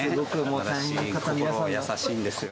心優しいんです。